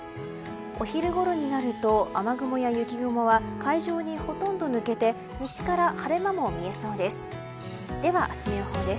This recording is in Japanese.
お昼ごろになると、雨雲や雪雲は海上にほとんど抜けて西から晴れ間も見えそうです。